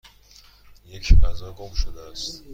یک غذا گم شده است.